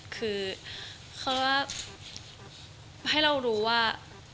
คือเขาว่าให้เรารู้ว่า